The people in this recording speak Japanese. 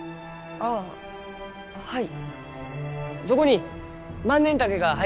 ああはい。